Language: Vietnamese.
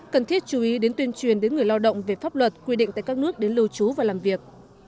cần thiết chú ý đến tuyên truyền đến người lao động về pháp luật quy định tại các nước đến lưu trú và làm việc